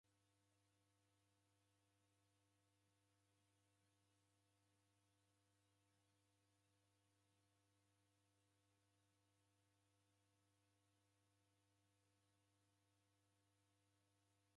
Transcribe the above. Kila mndu orekaribishiroghe karamunyi.